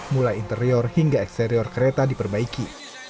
mulai interior hingga eksterior kereta diperbaiki